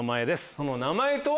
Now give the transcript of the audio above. その名前とは？